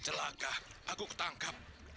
jelaka aku ketangkap